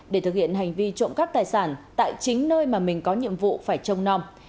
để thực hiện hành vi trộm cắp tài sản tại chính nơi mà mình có nhiệm vụ phải trông non